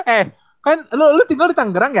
eh kan lu tinggal di tangerang ya